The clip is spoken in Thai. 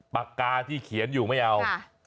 ปากกาที่เขียนอยู่ไม่เอา